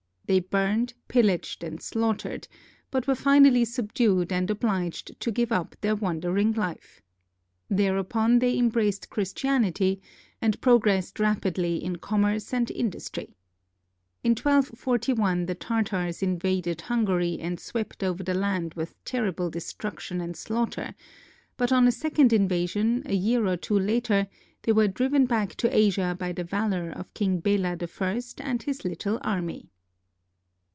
They burned, pillaged, and slaughtered, but were finally subdued and obliged to give up their wandering life. Thereupon they embraced Christianity, and progressed rapidly in commerce and industry. In 1241, the Tartars invaded Hungary and swept over the land with terrible destruction and slaughter; but on a second invasion, a year or two later, they were driven back to Asia by the valor of King Bela I and his little army.